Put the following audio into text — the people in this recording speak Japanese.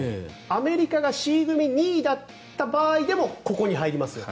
アメリカがＣ組２位だった場合でもここに入りますよと。